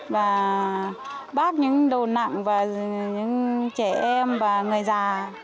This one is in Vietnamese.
và bác những đồ nặng và những trẻ em và người già